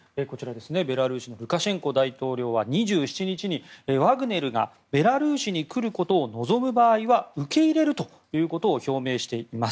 ベラルーシのルカシェンコ大統領は２７日にワグネルがベラルーシに来ることを望む場合は受け入れるということを表明しています。